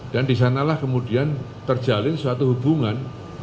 dan di sanalah kemudian terjalin suatu hubungan